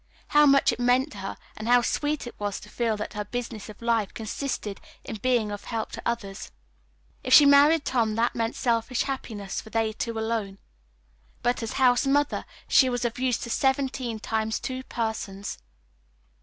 How much it meant to her, and how sweet it was to feel that her business of life consisted in being of help to others. If she married Tom that meant selfish happiness for they two alone, but as house mother she was of use to seventeen times two persons.